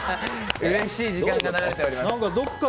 うれしい時間が流れております。